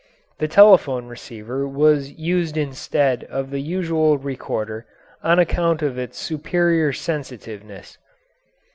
The telephone receiver was used instead of the usual recorder on account of its superior sensitiveness.